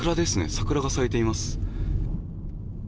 桜が咲いています。